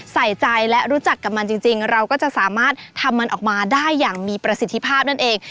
ใส่ใจและรู้จักกับมันจริงเราก็จะสามารถทำมันออกมาได้อย่างมีประสิทธิภาพนั่นเอง